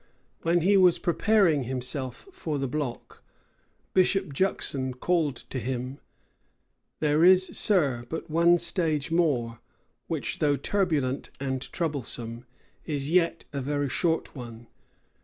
When he was preparing himself for the block, Bishop Juxon called to him: "There is, sir, but one stage more, which, though turbulent and troublesome, is yet a very short one.